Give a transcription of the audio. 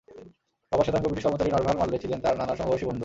বাবা শ্বেতাঙ্গ ব্রিটিশ কর্মচারী নরভাল মারলে ছিলেন তাঁর নানার সমবয়সী বন্ধু।